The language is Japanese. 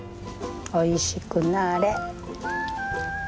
おいしくなれ。